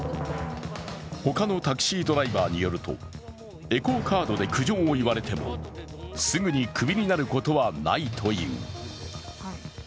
他のタクシードライバーによるとエコーカードで苦情を言われてもすぐにクビになることはないという。